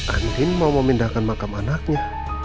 andin mau memindahkan makam anaknya